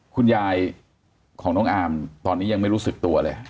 คุณยายของน้องอามตอนนี้ยังไม่รู้สึกตัวเลย